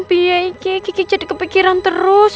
biar aku jadi kepikiran terus